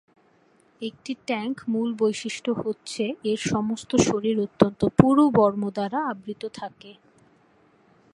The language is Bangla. একটি ট্যাংক মূল বৈশিষ্ট্য হচ্ছে এর সমস্ত শরীর অত্যন্ত পুরু বর্ম দ্বারা আবৃত থাকে।